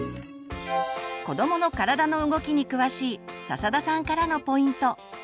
子どもの体の動きに詳しい笹田さんからのポイント。